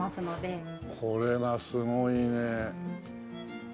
これはすごいね。